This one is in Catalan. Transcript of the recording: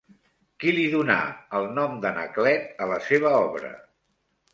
Qui li donà el nom d'Anaclet a la seva obra?